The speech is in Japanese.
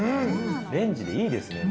レンジでいいですね。